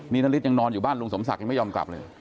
นี่นาริสยังนอนอยู่บ้านลุงสมศักดิ์ยังไม่ยอมกลับเลย